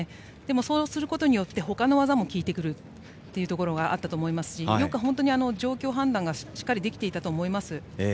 そうすることによってほかの技も効いてくるというところがあったと思いますし本当に、状況判断がしっかりできていたと思います。